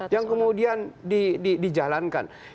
yang kemudian dijalankan